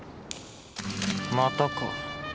またか。